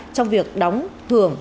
trong việc đóng thưởng